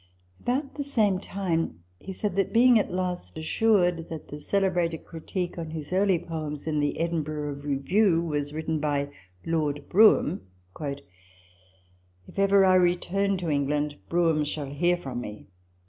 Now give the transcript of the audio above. About the same time he said, being at last assured that the celebrated critique on his early poems in the Edinburgh Review was written by Lord Brougham, " If ever I return to England, Brougham shall hear from me."